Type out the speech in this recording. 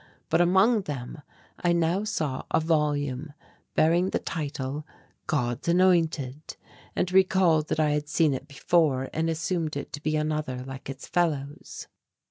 But among them I now saw a volume bearing the title "God's Anointed," and recalled that I had seen it before and assumed it to be but another like its fellows.